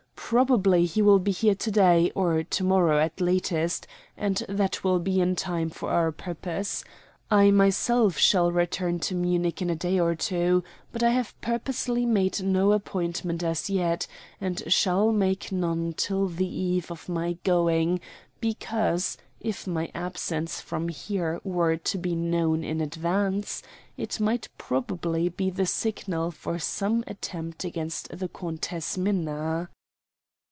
"Probably he will be here to day or to morrow, at latest, and that will be in time for our purpose. I myself shall return to Munich in a day or two; but I have purposely made no appointment as yet, and shall make none till the eve of my going, because, if my absence from here were to be known in advance, it might probably be the signal for some attempt against the Countess Minna."